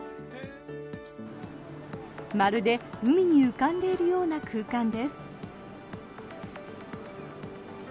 まるで海に浮かんでいるような空間です。